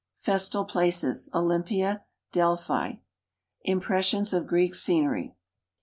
Festal places : Olympia, Delphi. Impressions of Greek scenery.